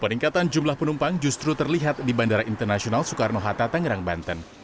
peningkatan jumlah penumpang justru terlihat di bandara internasional soekarno hatta tangerang banten